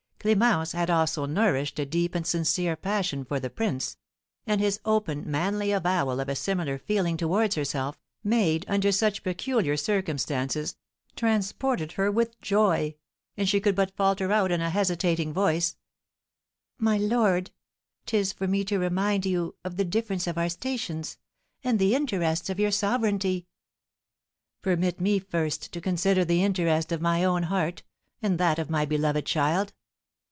Clémence had also nourished a deep and sincere passion for the prince; and his open, manly avowal of a similar feeling towards herself, made under such peculiar circumstances, transported her with joy, and she could but falter out in a hesitating voice: "My lord, 'tis for me to remind you of the difference of our stations, and the interests of your sovereignty." "Permit me first to consider the interest of my own heart, and that of my beloved child.